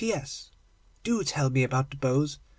PS.—Do tell me about the bows.